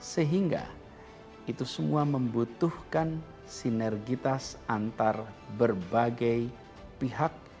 sehingga itu semua membutuhkan sinergitas antar berbagai pihak